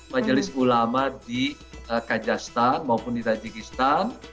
majelis ulama di kajastan maupun di tajikistan